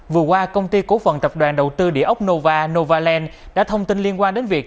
vừa qua công ty cổ phần tập đoàn đầu tư địa ốc nova novaland đã thông tin liên quan đến việc